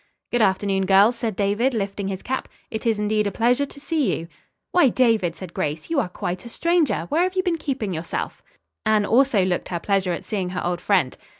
"Good afternoon, girls," said David, lifting his cap. "It is indeed a pleasure to see you." "Why, David," said Grace, "you are quite a stranger. Where have you been keeping yourself?" Anne also looked her pleasure at seeing her old friend.